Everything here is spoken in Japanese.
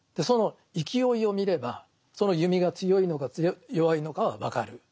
その勢いを見ればその弓が強いのか弱いのかは分かる。